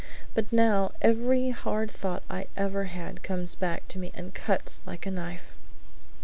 But now every hard thought I ever had comes back to me and cuts like a knife!"